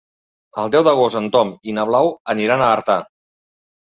El deu d'agost en Tom i na Blau aniran a Artà.